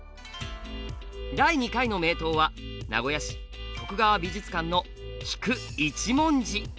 第２回の名刀は名古屋市徳川美術館の「菊一文字」。